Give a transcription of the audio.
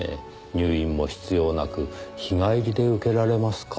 入院も必要なく日帰りで受けられますか。